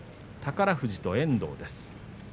宝富士と遠藤です。